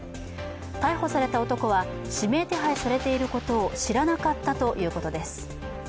逮捕された男は指名手配されていることを知らなかったということです。